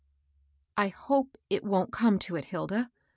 ^^ I hope it wont come to it, Hilda.